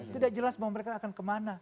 tidak jelas bahwa mereka akan kemana